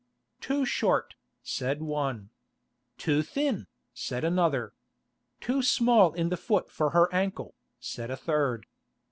"Too short," said one. "Too thin," said another. "Too small in the foot for her ankle," said a third.